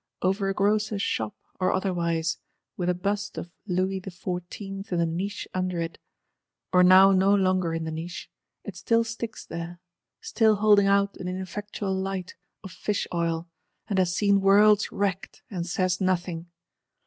"Over a grocer's shop," or otherwise; with "a bust of Louis XIV. in the niche under it," or now no longer in the niche,—it still sticks there: still holding out an ineffectual light, of fish oil; and has seen worlds wrecked, and says nothing.